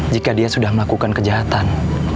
jika dia sudah melakukan kejahatan